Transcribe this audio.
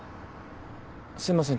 すいません